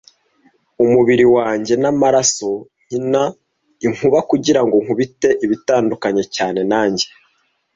Umubiri wanjye namaraso nkina inkuba kugirango nkubite ibitandukanye cyane nanjye,